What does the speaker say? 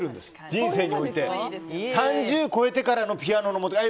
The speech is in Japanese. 人生において、３０超えてからのピアノのモテ方は。